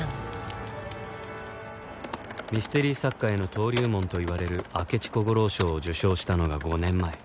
ミステリ作家への登竜門といわれる明智小五郎賞を受賞したのが５年前